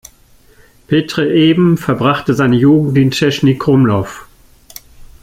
Petr Eben verbrachte seine Jugend in Český Krumlov.